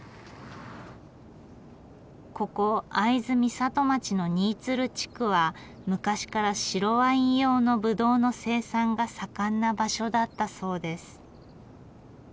ここ会津美里町の新鶴地区は昔から白ワイン用のぶどうの生産が盛んな場所だったそうです。